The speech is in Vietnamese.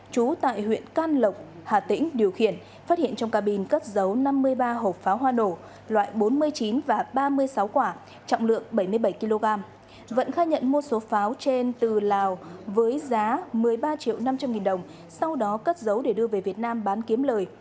các lực lượng phát hiện trong cabin cất giấu năm mươi ba hộp pháo hoa nổ loại bốn mươi chín và ba mươi sáu quả trọng lượng bảy mươi bảy kg vận khai nhận một số pháo trên từ lào với giá một mươi ba triệu năm trăm linh nghìn đồng sau đó cất giấu để đưa về việt nam bán kiếm lời